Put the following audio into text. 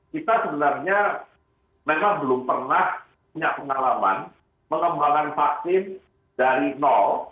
kita sebenarnya memang belum pernah punya pengalaman mengembangkan vaksin dari nol